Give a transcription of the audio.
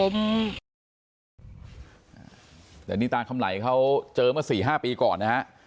เดี๋ยวนี้ตามคำไหลเขาเจอมา๔๕ปีก่อนนะฮะ